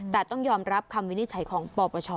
แต่ต้องยอมรับคำวินิจฉัยของปปช